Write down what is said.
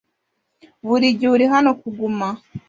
buri gihe uri hano kuguma.